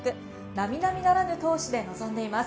並々ならぬ闘志で臨んでいます。